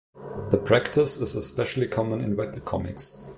The practice is especially common in webcomics.